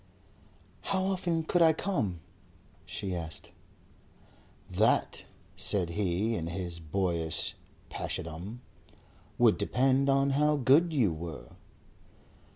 "How often could I come?" she asked. "That," said he, in his boyish pashadom, "would depend on how good you were."